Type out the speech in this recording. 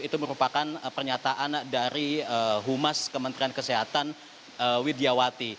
itu merupakan pernyataan dari humas kementerian kesehatan widiawati